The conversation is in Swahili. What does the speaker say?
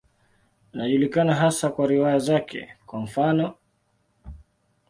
Anajulikana hasa kwa riwaya zake, kwa mfano.